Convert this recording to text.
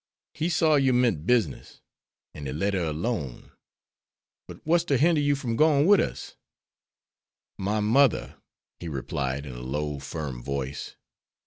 He saw you meant business, an' he let her alone. But, what's to hinder you from gwine wid us?" "My mother," he replied, in a low, firm voice.